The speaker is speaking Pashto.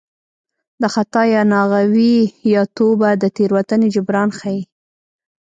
د خطا یا ناغه وي یا توبه د تېروتنې جبران ښيي